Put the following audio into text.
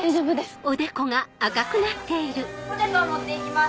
ポテト持って行きます。